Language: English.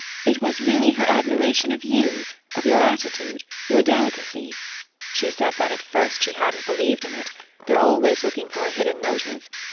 It was really her admiration of you of your attitude your delicacy. She said that at first she hadn't believed in it: they're always looking for a hidden motive.